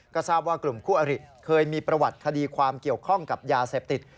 ก็ทราบว่ากลุ่มคู่อริเคยมีประวัติคดีความเกี่ยวข้องกับยาเสพติด